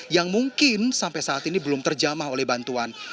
yang mungkin sampai saat ini belum terjamah oleh bantuan